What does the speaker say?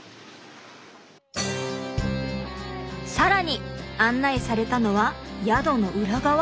更に案内されたのは宿の裏側！？